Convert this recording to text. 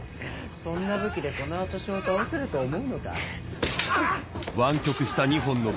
そんな武器でこの私を倒せると思うのか？